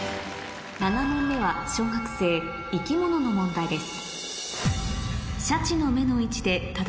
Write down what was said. ７問目は小学生生き物の問題です